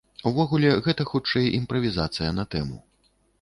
Увогуле, гэта, хутчэй, імправізацыя на тэму.